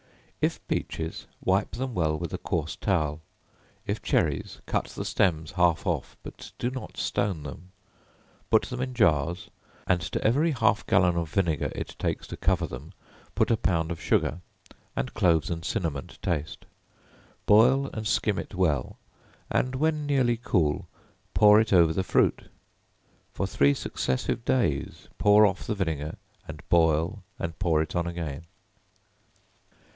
If peaches, wipe them well with a coarse towel; if cherries, cut the stems half off, but do not stone them; put them in jars, and to every half gallon of vinegar it takes to cover them, put a pound of sugar, and cloves and cinnamon to taste; boil and skim it well, and when nearly cool pour it over the fruit; for three successive days pour off the vinegar, and boil and pour it on again.